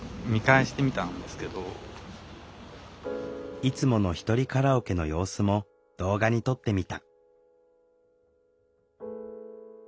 いつものひとりカラオケの様子も動画に撮ってみた。